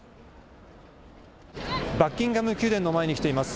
バッキンガム宮殿の前に来ています。